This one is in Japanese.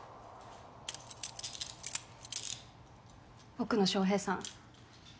奥野昇平さん